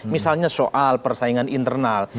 misalnya soal persaingan internal